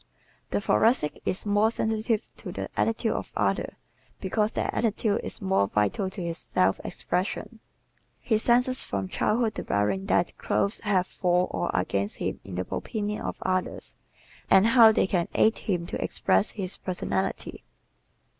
The Thoracic is more sensitive to the attitude of others because their attitude is more vital to his self expression. He senses from childhood the bearing that clothes have for or against him in the opinion of others and how they can aid him to express his personality.